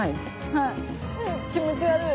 はいうぅ気持ち悪い。